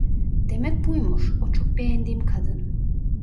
Demek buymuş, o çok beğendiğin kadın.